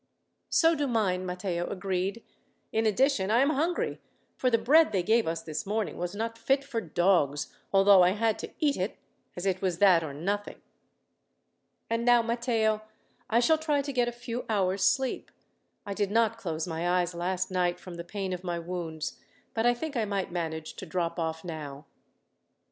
"So do mine," Matteo agreed. "In addition, I am hungry, for the bread they gave us this morning was not fit for dogs, although I had to eat it, as it was that or nothing." "And now, Matteo, I shall try to get a few hours' sleep. I did not close my eyes last night, from the pain of my wounds, but I think I might manage to drop off now."